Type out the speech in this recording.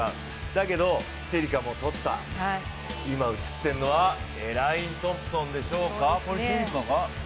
だけど、シェリカも取った、今映ってるのはエライン・トンプソン・ヘラでしょうか。